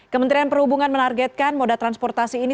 kementerian perhubungan menargetkan moda transportasi ini